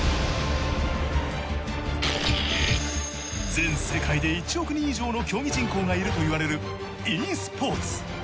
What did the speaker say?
全世界で１億人以上の競技人口がいるといわれるｅスポーツ。